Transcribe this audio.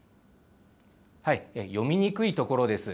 読みにくいところです。